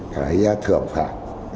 cái thưởng phạt